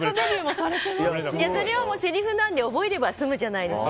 それは、もうせりふなので覚えれば済むじゃないですか。